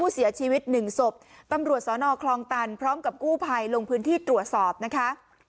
เสียชีวิตหนึ่งศพตำรวจสอนอคลองตันพร้อมกับกู้ภัยลงพื้นที่ตรวจสอบนะคะ